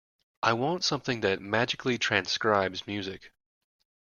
I want something that magically transcribes music.